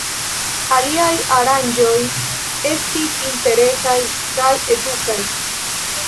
Aliaj aranĝoj estis interesaj kaj edukaj.